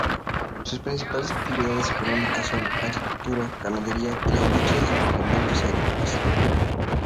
Sus principales actividades económicas son: agricultura, ganadería y la industria de implementos agrícolas.